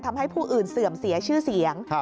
ทำให้ผู้อื่นเสื่อมเสียชื่อเสียง